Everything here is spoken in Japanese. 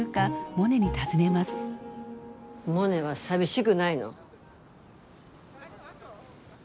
モネは寂しぐないの？